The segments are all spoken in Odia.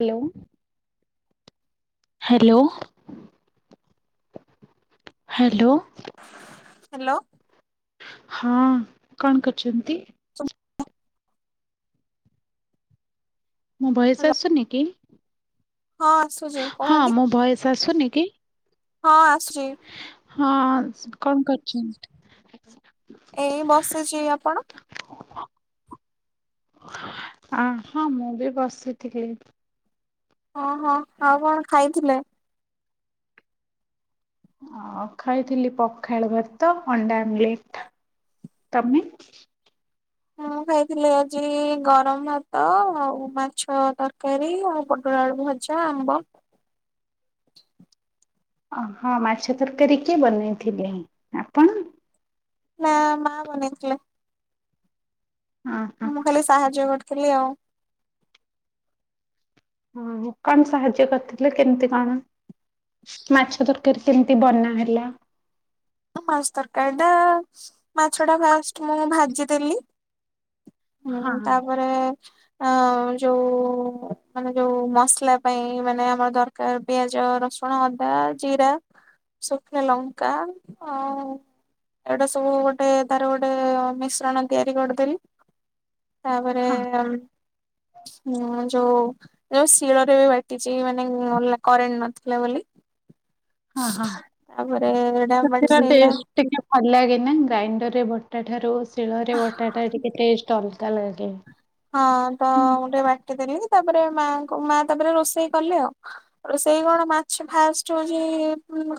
Hello hello. ହ୍ୟାଲୋ। ହ୍ୟାଲୋ। ହଁ କଣ କରଛନ୍ତି? [unintelligible] ମୋ ଭଏସ୍ ହ୍ୟାଲୋ ଆସୁନି କି? ହଁ ଆସୁଛି। ହଁ କହୁନାହାନ୍ତି ମୋ ଭଏସ ଆସୁନି କି? ହଁ ଆସୁଚି। ହଁ ସ କଣ କରଛନ୍ତି? ଏଇ ବସିଛି ଆପଣ? ଅ ହଁ ମୁଁ ବି ବସିଥିଲି। ଓହୋ ଆଉ କଣ ଖାଇଥିଲେ? ଅ ଖାଇଥିଲି ପଖାଳ ଭାତ ଅଣ୍ଡା ଆମଲେଟ। ତମେ? ମୁଁ ଖାଇଥିଲି ଆଜି ଗରମ ଭାତ ଆଉ ମାଛ ତରକାରୀ ଆଉ ପୋଟଳ ଆଳୁ ଭ ଜା ଆମ୍ବ ଓହଁ ମାଛ ତରକାରୀ କିଏ ବନେଇଥିଲେ ଆପଣ? ନା ମା ବନେଇଥିଲେ। ଅ ହଁ। ମୁଁ ଖାଲି ସାହାଯ୍ୟ କରିଥିଲି ଆଉ। ଓହ କଣ ସାହାଯ୍ୟ କରିଥିଲେ କେମିତି କଣ? ମାଛ ତରକାରୀ କେମିତି ବନା ହେଲା? ମାଛ ତରକାରୀଟା ମାଛ ଟା ଫାଷ୍ଟ ମୁଁ ଭାଜିଦେଲି। ହଁ ହୁଁ ତାପରେ ଅ ଯୋଉ ମାନେ ଯୋଉ ମସଲା ପାଇଁ ମାନେ ଆମର ଦରକାର ପିଆଜ, ରସୁଣ, ଅଦା, ଜିରା ଶୁଖିଲା ଲଙ୍କା ଆଉ ଏଇଟା ସବୁ ଗୋଟେ ତାର ଗୋଟେ ମିଶ୍ରଣ ତିଆରି କରିଦେଲି। ତାପରେ ହଁ ହୁଁ ଯୋଉ ଯୋଉ ଶିଳରେ ବି ବାଟିଛି ମାନେ କରେଣ୍ଟ ନଥିଲା ବୋଲି। ହଁ ହଁ ତାପରେ ଏଇଟା ସେ ବାଟି ତା ସାଇଲା ଟେଷ୍ଟ ଟିକେ ଭଲ ଲାଗେ ନା ଗ୍ରାଇଣ୍ଡରରେ ବଟା ଠାରୁ ଶିଳରେ ବଟାଟା ଟିକେ ଟେଷ୍ଟ ଅଲଗା ଲାଗେ ହଁ ତ ମୁଁ ଟିକେ ବାଟି ଦେଲି ତାପରେ ମାଙ୍କୁ ମା ତାପରେ ରୋଷେଇ କଲେ ଆଉ। ରୋସେଇ କଣ ମାଛ ଫାଷ୍ଟ ହଉଛି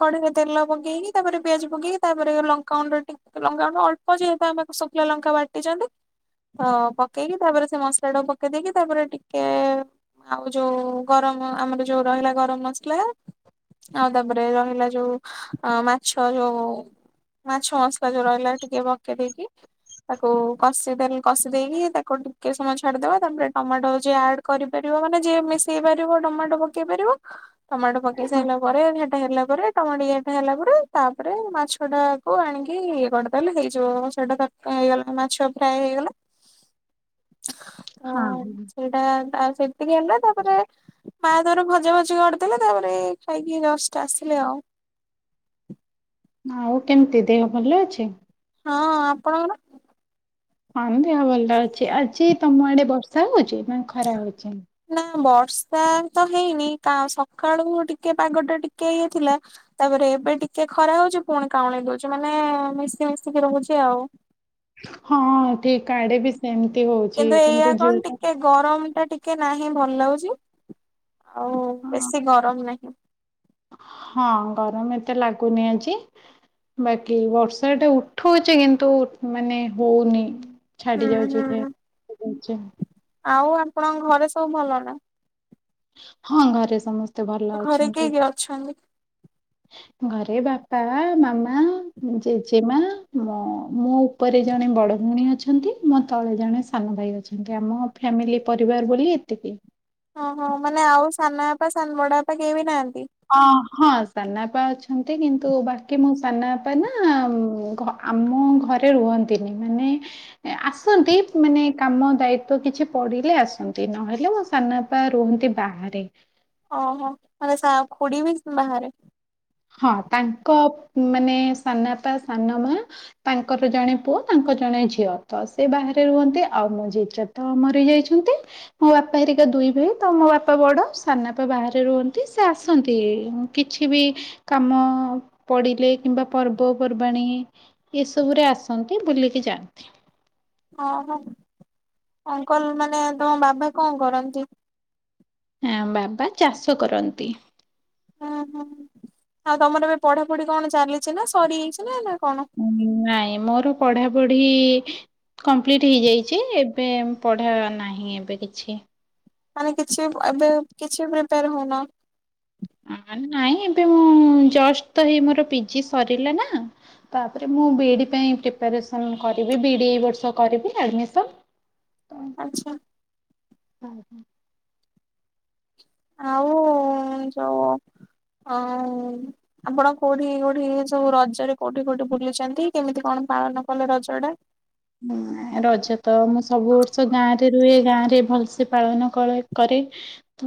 କଡିିରେ ତେଲ ପକେଇକି ତାପରେ ପିଆଜ ପକେଇକି ତାପରେ ଲଙ୍କ ଲଙ୍କା ଗୁଣ୍ଡ ଟିକେ ଲଙ୍କା ଗୁଣ୍ଡ ଅଳ୍ପ ଯେହେତୁ ଆମେ ଶୁଖିଲା ଲଙ୍କା ବାଟିଛନ୍ତି ତ ପକେଇକି ତାପରେ ସେ ମସଲା ଟାକୁ ପକେଇ ଦେଇକି ତାପରେ ଟିକେ ଆଉ ଯୋଉ ଗରମ ଆମର ଯୋଉ ରହିଲା ଗରମ ମସଲା ଆଉ ତାପରେ ରହିଲା ଯୋଉ ଅ ମାଛ ଯୋଉ ମାଛ ମସଲା ଯୋଉ ରହିଲା ଟିକେ ପକେଇ ଦେଇକି ତାକୁ କଷିଦେଲ୍ କଷି ଦେଇକି ତାକୁ ଟିକେ ସମୟ ଛାଡିଦବା ତାପରେ ଟମାଟୋ ଯେ ଆଡ କରିପାରିବ ମାନେ ଯିଏ ମିଶେଇ ପାରିବ ଟମାଟୋ ପକେଇ ପାରିବ ଟମାଟୋ ପକେଇ ହଁ ସାରିଲା ପରେ ସେଟା ହେଲା ପରେ ଟମାଟ ଇଏ ଫିଏ ହେଲା ପରେ ତାପରେ ମାଛ ଟା କୁ ଆଣିକି ଇଏ କରିଦେଲେ ହେଇଯିବ ସେଇଟା ତଟ୍କା ହେଇଗଲା ମାଛ ଫ୍ରାଏ ହେଇଗଲା। [inaudible] ହଁ। ସେଇଟା ଆଉ ସେମତିକି ହେଲା ତାପରେ ମା ତାର ଭଜା ଭଜି କରିଦେଲେ ତାପରେ ଏଇ ଖାଇକି ଜଷ୍ଟ ଆସିଲି ଆଉ। ଆଉ କେମିତି ଦେହ ଭଲ ଅଛି? ହଁ ଆପଣଙ୍କର? ହଁ ଦେହ ଭଲ ଅଛି ଆଜି ତମ ଆଡେ ବର୍ଷା ହଉଛି ନା ଖରା ହଉଛି? ନା ବର୍ଷା ତ ହେଇନି କାଉଁ ସକାଳୁ ଟିକେ ପାଗ ଟା ଟିକେ ଇଏ ଥିଲା ତାପରେ ଏବେ ଟିକେ ଖରା ହଉଛି ପୁଣି କାଉଁଳେଇ ଦଉଛି ମାନେ ମିଶି ମିଶିକି ରହୁଛି ଆଉ। ହଁ ଠିକ୍ ଆଡେ ବି ସେମିତି ହଉଛି ଏଇଆ କିନ୍ତୁ କଣ ଯୋଉଟା ଟିକେ ଗରମ ଟା ଟିକେ ନାହିଁ ଭଲ ଲାଗୁଛି ଆଉ ବେଶୀ ଗରମ ନାହିଁ। ହଁ ଗରମ ଏତେ ଲାଗୁନି ଆଜି ବାକି ବର୍ଷା ଟା ଉଠଉଛି କିନ୍ତୁ ମାନେ ହଉନି। ଛାଡି ହୁଁ ଯାଉଛି ହୁଁ। ଫେର। ଆଉ ଆପଣଙ୍କ ଘରେ ସବୁ ଭଲ ନା? ହଁ ଘରେ ସମସ୍ତେ ଭଲ ଘରେ କିଏ ଅଛନ୍ତି। କିଏ ଅଛନ୍ତି? ଘରେ ବାପା ମାମା ଜେଜେମା ମ ମୁଁ ଉପରେ ଜଣେ ବଡ଼ ଭଉଣୀ ଅଛନ୍ତି ମୋ ତଳେ ଜଣେ ସାନ ଭାଇ ଅଛନ୍ତି ଆମ ଫ୍ୟାମିଲି ପରିବାର ବୋଲି ଏତିକି। ଓ ହୋ ମାନେ ଆଉ ସାନ ବାପା ସାନ ବଡ ବାପା କେହି ବି ନାହାନ୍ତି? ଅ ହଁ ସାନାପା ଅଛନ୍ତି କିନ୍ତୁ ବାକି ମୋ ସାନପା ନା ଆମ୍ ଘ ଆମ ଘରେ ରୁହନ୍ତିନି ମାନେ ଏ ଆସନ୍ତି ମାନେ କାମ ଦାୟିତ୍ଵ କିଛି ପଡିଲେ ଆସନ୍ତି ନହେଲେ ମୋ ସାନାପା ପା ରୁହନ୍ତି ବାହାରେ। ଓହୋ, ମାନେ ସା ଖୁଡ଼ିବି ବାହାରେ। ହଁ ତାଙ୍କ ପ ମାନେ ସାନାପା ସାନ ମା ତାଙ୍କର ଜଣେ ପୁଅ, ତାଙ୍କର ଜଣେ ଝିଅ, ତ ସେ ବାହାରେ ରୁହନ୍ତି, ଆଉ ମୋ ଜେଜ ତ ମରି ଯାଇଛନ୍ତି। ମୋ ବାପା ହେରିକା ଦୁଇ ଭାଇ ତ, ମୋ ବାପା ବଡ, ସାନ ବାପା ବାହାରେ ରୁହନ୍ତି, ସେ ଆସନ୍ତି ଇ ଇ କିଛି ବି କାମ ପଡ଼ିଲେ କିମ୍ବା ପର୍ବପର୍ବାଣୀ। ଏସବୁରେ ଆସନ୍ତି, ବୁଲିକି ଯାଆନ୍ତି। ଓହୋ, ଅଙ୍କଲ ମାନେ ତମ ବାବା କଣ କରନ୍ତି? ଆଁ ବାବା ଚାଷ କରନ୍ତି। ହୁଁ ହୁଁ, ଆଉ ତମର ଏବେ ପଢାପଢି କଣ ଚାଲିଛି ନା ସରି ଯାଇଛି ନା ନା କଣ? ନାଇଁ ମୋର ପଢାପଢି ଇ ଇ କମ୍ପ୍ଲିଟ ହେଇଯାଇଛି, ଏବେ ପଢ଼ା ନାହିଁ ଏବେ କିଛି। ମାନେ କିଛି ଏବେ କିଛି ପ୍ରିପେୟାର ହଉନ? ଆଁ ନାଇଁ ଏବେ ମୁଁ ଜଷ୍ଟ ତ ହେଇ ମୋର ପିଜି ସରିଲା ନା ତାପରେ ମୁଁ ବିଇଡ଼ି ପାଇଁ ପ୍ରିପାରେସନ୍ କରିବି। ବିଇଡ଼ି ଏ ବର୍ଷ କରିବି ଆଡ଼ମିସନ୍। ଆଛା। ହୁଁ ହୁଁ। ଆଉ ଯୋଉ ଅ। ଆପଣ କୋଉଠି କୋଉଠି ସବୁ ରଜରେ କୋଉଠି କୋଉଠି ବୁଲିୁଛନ୍ତି? କେମିତି କଣ ପାଳନ କଲେ ରଜ ଟା? ଉଁ ରଜ ତ ମୁଁ ସବୁ ବର୍ଷ ଗାଁ ରେ ରୁହେ, ଗାଁ ରେ ଭଲସେ ପାଳନ କରେ କରେ।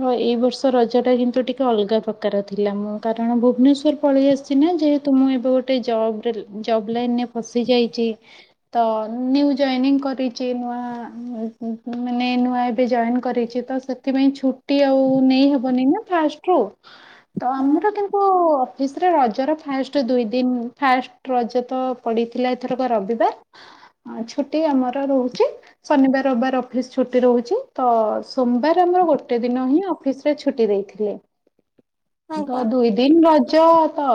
ହଁ ଏଇ ବର୍ଷ ରଜା ଟା କିନ୍ତୁ ଟିକେ ଅଲଗା ପ୍ରକାର ଥିଲା, ମୁଁ କାରଣ ଭୁବନେଶ୍ୱର ପଳେଇ ଆସିଛି ନା, ଯେହେତୁ ମୁଁ ଏବେ ଗୋଟେ ଜବରେ ଜବ୍ ଲାଇନରେ ପଶିଯାଇଛି। ତ ନ୍ୟୁ ଜଏନିଂ କରିଛି, ନୂଆ ଉ ଉ ମାନେ ନୂଆ ଏବେ ଜଏନ୍ କରିଛି ତ ସେ ସେଥିପାଇଁ ଛୁଟି ଆଉ ନେଇହବନି ନା ଫାଷ୍ଟରୁ। [inaudible] ତ ଆମର କିନ୍ତୁ ସିରେ ରଜର ଫାଷ୍ଟ ଦୁଇ ଦିନ ଫାଷ୍ଟ ରଜ ତ ପଡିଥିଲା ଏଥରକ ରବିବାର। ହଁ ଛୁଟି ଆମର ରହୁଛି। ଶନିବାର, ରବିବାର ଅଫିସ ଛୁଟି ରହୁଛି ତ, ସୋମବାର ଆମର ଗୋଟେ ଦିନ ହିଁ ଅଫିସ। ସେ ଛୁଟି ଦେଇଥିଲେ। [inaudible] ଦ କା ଦୁଇ ଦିନ ରଜ। ତ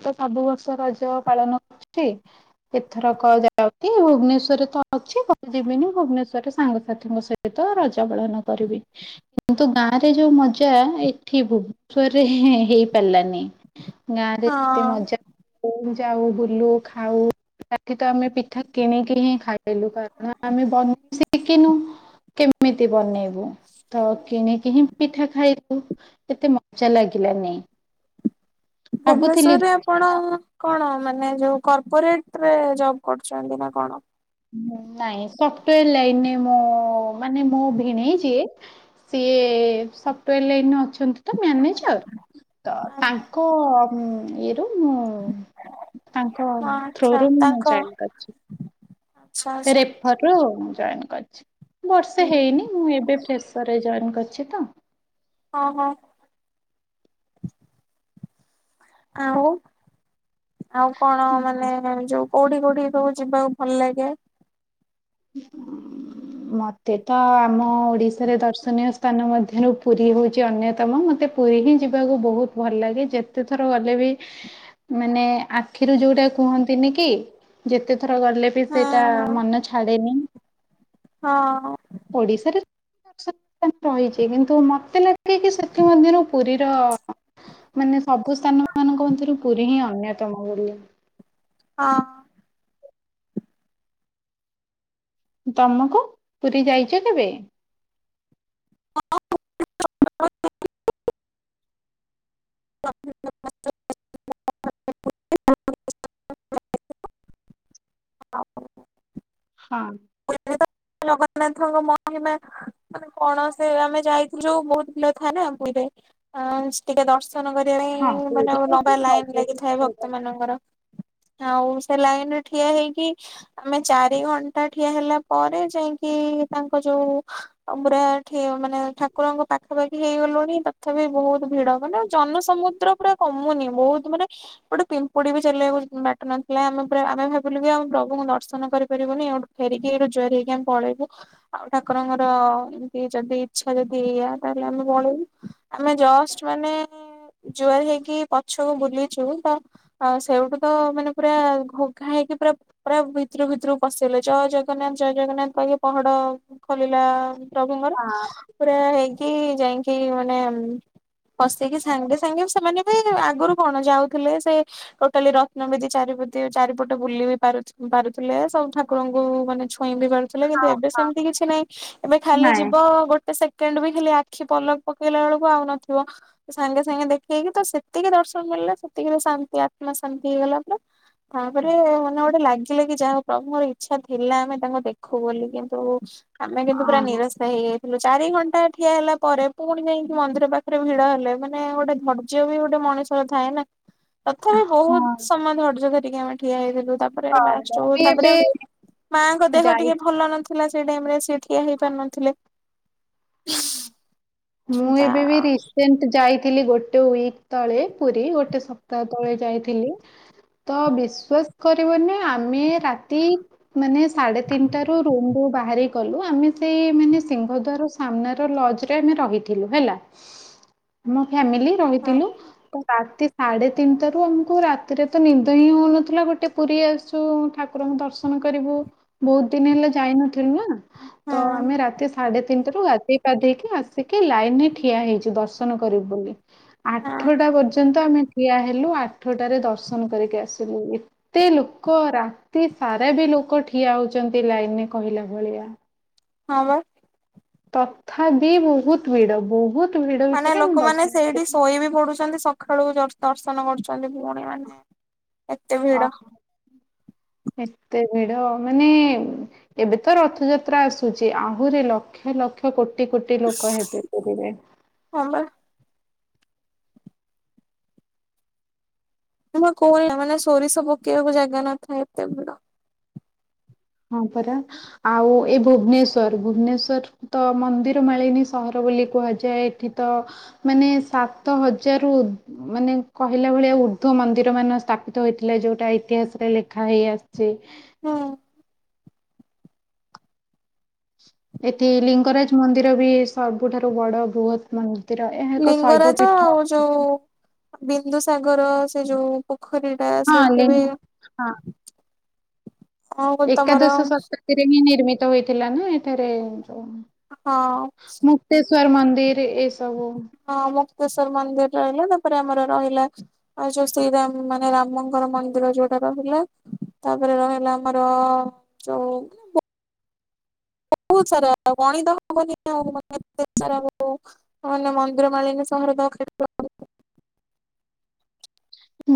ସବୁ ବର୍ଷ ରଜ ପାଳନ କରିଛି ଏଥର କ ଯ କି ଭୁବନେଶ୍ଵରରେ ତ ଅଛି, ଘରୁ ଯିବିନି, ଭୁବନେଶ୍ଵରରେ ସାଙ୍ଗସାଥିୀଙ୍କ ସହିତ ରଜ ପାଳନ କରିବି। କିନ୍ତୁ ଗାଁ ରେ ଯୋଉ ମଜା, ଏଠି ଭୁବନେଶ୍ଵରରେ ହେ ହେଇପାରିଲାନି। ଗାଁ ରେ ଏତେ ହଁ ମଜା ଯାଉ, ବୁଲୁ, ଖାଉ ଏଠି ତ ଆମେ କିଣିକି ହିଁ ଖାଇଲୁ, କାରଣ ଆମେ ବନେଇ ଶିଖିନୁ। କେମିତି ବନେଇବୁ? ତ କିଣିକି ହିଁ ପିଠା ଖାଇବୁ। ଏତେ ମଜା ଲାଗିଲାନାଇଁ। ଭୁବନେଶ୍ୱରରେ କଣ, କଣ, ମାନେ ଯୋଉ କର୍ପୋରେଟ ରେ ଜବ୍ କରୁଛନ୍ତି ନା କଣ? ନାଇଁ ସଫ୍ଟୱେର ଲାଇନରେ ମୁଁ ମାନେ ମୋ ଭିଣେଇ ଯିଏ ସିଏ ସଫ୍ଟୱେର ଲାଇନରେ ଅଛନ୍ତି ତ ମ୍ୟାନେଜର, ତ ତାଙ୍କ ହୁଁ ଇଏରୁ ମୁଁ ତାଙ୍କ ହଁ ଆଚ୍ଛା ଥ୍ରୋରୁ ମୁଁ ତାଙ୍କ ଜଏନ କରିଛି। ଆଚ୍ଛା ଆଚ୍ଛା ରେଫର ରୁ, ମୁଁ ଜଏନ୍ କରିଛି, ହୁଁ ବର୍ଷେ ହେଇନି ମୁଁ ଏବେ ଫ୍ରେସ୍। ରେ ଜଏନ୍ କରିଛି ତ। ଓହୋ। ଆଉ, ଆଉ କଣ ମାନେ ଯୋଉ କୋଉଠି କୋଉଠି ସବୁ ଯିବାକୁ? ଭଲ ଲାଗେ। ମୋତେ ତ ଆମ ଓଡ଼ିଶାରେ ଦର୍ଶନୀୟ ସ୍ଥାନ ମଧ୍ୟରୁ ପୁରୀ ହେଉଛି ଅନ୍ୟତମ ମତେ ପୁରୀ ହିଁ ଯିବାକୁ ବହୁତ୍ ଭଲ ଲାଗେ ଯେତେଥର ଗଲେ ବି ମାନେ ଆଖିରୁ ଯୋଉଟା କୁହନ୍ତିନି କି ଯେତେ ଥର ଗଲେ ବି ହଁ ସେଇଟା ମନେ ଛାଡେନି। ହଁ। ଓଡ଼ିଶାରେ [unintelligible] ରହିଛି କିନ୍ତୁ ମତେ ଲାଗେ କି ସେଥିମଧ୍ୟରୁ ପୁରୀର ମାନେ ସବୁ ସ୍ଥାନ ମାନଙ୍କ ମଧ୍ୟରୁ ପୁରୀ ହିଁ ଅନ୍ୟତମ ବୋଲି ହଁ। ତମକୁ ପୁରୀ ଯାଇଛ କେବେ? [unintelligible] [unintelligible] [unintelligible] ହଁ। ପୁରୀ ରେ ତ ଜଗନ୍ନାଥଙ୍କ ମହିମା ଆମେ କଣ ସେ ଆମେ ଯାଇଥିଲୁ ଯୋଉ ବହୁତ୍ ଭିଡ଼ ଥାଏ ନା [unintelligible] ଟିକେ ଦର୍ଶ ଦର୍ଶନ କରିବା ହଁ ପାଇଁ ପୁରୀ ମାନେ ହଉଛି ଲମ୍ବା ଲାଇନ୍ ସବୁଠୁ ଲାଗିଥାଏ ସୁନ୍ଦର। ଭକ୍ତ ମାନଙ୍କର। ଆଉ ସେ ଲାଇନ୍ ରେ ଠିଆ ହେଇକି ଆମେ ଚାରି ଘଣ୍ଟା ଠିଆ ହେଲା ପରେ ଯାଇକି ତାଙ୍କ ଯୋଉ ପୁରା ଠିଆ ମାନେ ଠାକୁରଙ୍କ ପାଖାପାଖି ହେଇଗଲୁଣି ତଥାପି ବହୁତ୍ ଭିଡ଼ ମାନେ ଜନସମୁଦ୍ର। ପୁରା କମୁନି ବହୁତ୍ ମାନେ ଗୋଟେ ପିମ୍ପୁଡ଼ି ବି ଚାଲିବାକୁ ବାଟ ନଥିଲା ଆମେ ପୁରା ଆମେ ଭା [unintelligible] ଆମେ ପ୍ରଭୁଙ୍କୁ ଦର୍ଶନ କରିପାରିବୁନି ଏଇଠୁ ଫେରିକି ଏଠୁ ଜୁହାରେ ହେଇକି ଆମେ ପଳେଇବୁ। ଆଉ ଠାକୁରଙ୍କର ଏମିତି ଯଦି ଇଚ୍ଛା ଯଦି ଏଇଆ ତାହେଲେ ଆମେ ପଳେଇବୁ। ଆମେ ଜଷ୍ଟ୍ ମାନେ ଜୁହାର ହେଇକି ପଛକୁ ବୁଲିଛୁ ତ ଆଉ ସେଇଠୁ ତ ମାନେ ପୁରା ଘୋ ଘା ହେଇକି ପୁରା ପୁରା ଭିତରୁ ଭିତରୁ ପଶିଗଲେ। ଜୟ ଜଗନ୍ନାଥ ଜୟ ଜଗନ୍ନାଥ କହି ପହଡ଼ ଖୋଲିଲା ପ୍ରଭୁଙ୍କର। ପୁରା ହେଇକି ଯାଇକି ମାନେ ପଶିକି ସାଙ୍ଗେ ସାଙ୍ଗେ ସେମାନେ ବି ଆଗରୁ କଣ ଯାଉଥିଲେ ସେ ଟୋଟାଲି ରତ୍ନବେଦି ଚାରି ଚାରିପଟ ବୁଲି ବି ପାରୁଥିଲେ ସବୁଠା ଠାକୁରଙ୍କୁ ମାନେ ଛୁଇଁ ବି ପାରୁଥିଲେ କିନ୍ତୁ ଏବେ ହଁ ସେମିତି କିଛି ନାହିଁ ଏବେ ଖାଲି ନାଇଁ ଯିବ ଗୋଟେ ସେ ସେକେଣ୍ଡ ବି ଖାଲି ଆଖି ପଲକ ପକେଇଲା ବେଳକୁ ଆଉ ନଥିବ। ସାଙ୍ଗେ ସାଙ୍ଗେ ଦେଖେଇକି ତ ସେତିକି ଦର୍ଶନ ମିଳିଲା ସେତିକି ରେ ତ ଶାନ୍ତି ଆତ୍ମା ଶାନ୍ତି ହେଇଗଲା ପୁରା। ତାପରେ ମାନେ ଗୋଟେ ଲାଗିଲା କି ଯାହା ପ୍ରଭୁଙ୍କର ଇ ଇଚ୍ଛା ଥିଲା ଆମେ ତାଙ୍କୁ ଦେଖୁ ବୋଲି କିନ୍ତୁ ଆମେ କିନ୍ତୁ ପୁରା ହଁ ନିରାଶ ହେଇଯାଇଥିଲୁ ଚାରି ଘଣ୍ଟା ଠିଆ ହେଲା ପରେ ପୁଣି ଯାଇକି ମନ୍ଦିର ପାଖରେ ଭିଡ଼ ହେଲେ ମାନେ ଗୋଟେ ଧର୍ଯ୍ୟ ବି ଗୋଟେ ମଣିଷର ଥାଏ ନା ତଥାପି ବହୁତ୍ ହଁ ସମୟ ଧର୍ଯ୍ୟ ଧରିକି ଆମେ ଠିଆ ହେଇଥିଲୁ ତା ତାପରେ ହଁ ଲାଷ୍ଟ୍ ମୁଁ ବେଳକୁ ବି ଏବେ ତାପରେ ମାଙ୍କ ଦେହ ଯାଇ ଟିକେ ଭଲ ନଥିଲା ସେଇ ଟାଇମ୍ ରେ ସିଏ ଠିଆ ହେଇପାରୁ ନଥିଲେ। [inaudible] ମୁଁ ତା ଏବେ ବି ରିସେଣ୍ଟ୍ ଯାଇଥିଲି ଗୋଟେ ଗୋଟେ ୱିକ୍ ତଳେ ପୁରୀ ଗୋଟେ ସପ୍ତାହ ତଳେ ଯାଇଥିଲି। ତ ବିଶ୍ୱାସ କରିବନି ଆମେ ରାତି ମାନେ ସାଢେ଼ ତିନିଟା ରୁ ରୁମ୍ ରୁ ବାହାରି ଗଲୁ ଆମେ ସେଇ ମାନେ ସିଂହ ଦ୍ୱାର ସାମ୍ନା ରେ ଲଜ୍ ରେ ଆମେ ରହିଥିଲୁ ହେଲା ଆମ ଫ୍ୟାମିଲି ହଁ ରହିଥିଲୁ। ରାତି ସାଢ଼େ ତିନିଟା ରୁ ଆମକୁ ରାତିରେ ତ ନିଦ ହିଁ ହଉନଥିଲା ଗୋଟେ ପୁରୀ ଆସୁ ଠାକୁ ଠାକୁରଙ୍କୁ ଦର୍ଶନ କରିବୁ ବହୁତ୍ ଦିନି ହେଲା ଯାଇନଥିଲୁ ନା। ହଁ ତ ଆମେ ରାତି ସାଢେ ତିନିଟା ରୁ ଗାଧୋଇ ପାଧେଇକି ଆ ସେକେ ଲାଇନରେ ଠିଆ ହେଇଛି ଦର୍ଶନ କରିବୁ ବୋଲି ହଁ ଆଠଟା ପର୍ଯ୍ୟନ୍ତ ଆମେ ଠିଆ ହେଲୁ ଆଠଟାରେ ଦର୍ଶନ କରିକି ଆସିଲୁ ଏ ଏତେ ଲୋକ ରାତି ସାରା ବି ଲୋକ ଠିଆ ହଉଛନ୍ତି ଲାଇନରେ କହିଲା ଭଳିଆ ହଁ ବା ତଥା ବିି ବହୁତ ଭିଡ ବହୁତ ଭିଡ ମାନେ ଭିତରେ ଆମେ ଲୋକମାନେ ଦର୍ଶନ ସେଇଠି କରିକି ଶୋଇ ବି ପଢୁଛନ୍ତି। ସ ଖାଳୁ ବି ଦସ୍ ଦର୍ଶନ କରୁଛନ୍ତି ଭଉଣୀ ମାନେ ଏତେ ଭିଡ ଅହୋ ଏତେ ଭିଡ ମାନେ ଏବେ ତ ରଥଯାତ୍ରା ଆସୁଛି ଆହୁରି ଲ ଲକ୍ଷ ଲକ୍ଷ କୋଟି କୋଟି ଲୋକ ହେବେ ପୁରୀରେ ହ ବା ମୁଁ ପା କୁହେନି ନା ମାନେ ସୋରିଷ ପକେଇବାକୁ ଜାଗା ନଥାଏ ଏତେ ଭିଡ଼ ହଁ ପରା ଆଉ ଏ ଭୁବନେଶ୍ଵର ଭୁବନେଶ୍ଵର ତ ମନ୍ଦିର ମାଳିନୀ ସହର ବୋଲି କୁହାଯାଏ ଏଠି ତ ମାନେ ସାତ ହଜାରରୁ ଉ ମାନେ କହିଲା ଭଳିଆ ଉର୍ଦ୍ଧ୍ୱ ମନ୍ଦିର ମାନ ସ୍ଥାପିତ ହୋଇଥିଲେ ଯେଉଁଟା ଇତିହାସରେ ଲେଖା ହେଇଆସିଛି ହୁଁ ଏଠି ଲିଙ୍ଗରାଜ ମନ୍ଦିର ବି ସବୁଠାରୁ ବଡ ବୃହତ ମନ୍ଦିର ଏହା ଏକ ଶୈବ ପୀଠ ବିନ୍ଦୁ ସାଗର ସେ ଯୋଉ ପୋଖରୀ ଟା ହଁ ଲି ସେଠି ବି ହଁ ଆଉ ରି ତମର ଥିରେ ହିଁ ନିର୍ମିତ ହେଇଥିଲା ନା ଏଠାରେ ଯୋଉ ହଁ ମୁକ୍ତେଶ୍ଵର ମନ୍ଦିର୍ ଏସବୁ। ହଁ ମୁକ୍ତେଶ୍ଵର ମନ୍ଦିର୍ ରହିଲା ତାପରେ ଆମର ରହିଲା ଆଉ ଯୋଉ ଶ୍ରୀରାମ ମାନେ ରାମଙ୍କର ମନ୍ଦିର ଯୋଉଟା ରହିଲା ତାପରେ ରହିଲା ଆମର ଯୋଉ ବହୁତୁ ସାରା ଗଣିତ ହବନି ଆଉେ ସ [unintelligible] ହଁ ନା ମନ୍ଦିର ମାଳିନି ସହର ତ ଖେଳ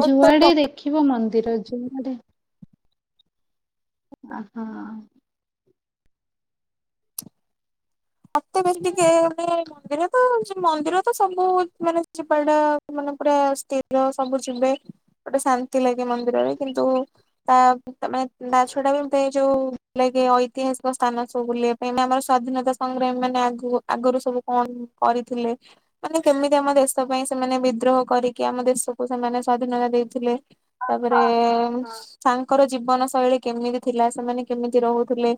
ଯୁଆଡେ ଦେଖିବ ମନ୍ଦିର ଯୁଆଡେ ଆ ହୋ ଏତେ ବେଶୀ ଟିକେେ ମାନେ ମ ମନ୍ଦିର ତ ମନ୍ଦିର ତ ସବୁ ମାନେ ଯିବା ଟା ମାନେ ପୁରା ସ୍ଥିର ସବୁ ଯିବେ ଗୋଟେ ଶାନ୍ତି ଲାଗେ ମନ୍ଦିରରେ କିନ୍ତୁ ତା ତମେ ତା ଛଡା ଏମିତି ଏଇ ଯୋଉ ନେଇକି ଐତିହାସିକ ସ୍ଥାନ ସବୁ ବୁଲେ ଏଇନା ଆମର ସ୍ଵାଧୀନତା ସଂଗ୍ରାମୀ ମାନେ ଆଗୁ ଆଗରୁ ସବୁ କଣ କରିଥିଲେ ମାନେ କେମିତି ଆମ ଦେଶ ପାଇଁ ସେମାନେ ବିଦ୍ରୋହ କରିକି ଆମ ଦେଶକୁ ସେମାନେ ସ୍ଵାଧୀନତା ଦେଇଥିଲେ ତାପରେ ଶୁ ତାଙ୍କର ଜୀବନ ଶୈଳୀ କେମିତି ଥିଲା ସେମାନେ କେମିତି ରହୁଥିଲେ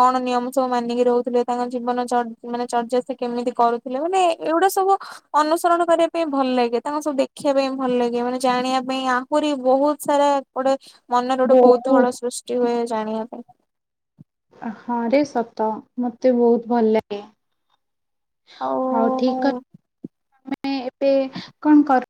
କଣ ନିୟମ ସବୁ ମାନିକି ରହୁଥିଲେ ତାଙ୍କ ଜୀବନଚଡମାନେ ଚର୍ଯ୍ୟା ସେ କେମିତି କରୁଥିଲେ ମାନେ ଏଇଗୁଡା ସବୁ ଅନୁସରଣ କରିବା ପାଇଁ ଭଲ ଲାଗେ ତାଙ୍କୁ ସବୁ ଦେଖିବା ପାଇଁ ଭଲ ଲାଗେ ମାନେ ଜାଣିବା ପାଇଁ ଆହୁରି ବହୁତ ସାରା ଗୋଟେ ମନରେ ଗୋଟେ କୌତୁହଳ ବହୁତ ସୃଷ୍ଟି ହୁଏ ଜାଣିବା ପାଇଁ। ହଁ ରେ ସତ ମତେ ବହୁତ ଭଲ ଲାଗେ। ହଉ ହଉ ଠିକ୍ [unintelligible] ତମେ ଏବେ କଣ କର?